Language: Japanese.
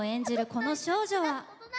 この少女は。